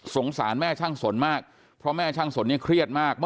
สารแม่ช่างสนมากเพราะแม่ช่างสนเนี่ยเครียดมาก